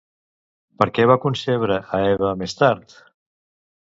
Per què va concebre a Eva més tard?